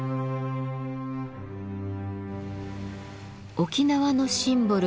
沖縄のシンボル